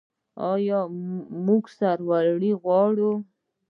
آیا موږ سرلوړي غواړو؟